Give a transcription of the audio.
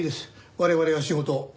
我々は仕事を。